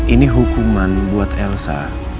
ini hukuman buat elsa